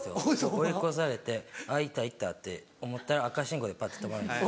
追い越されてあっ行った行ったって思ったら赤信号でパッて止まるんです。